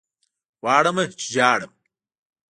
غواړمه چې ژاړم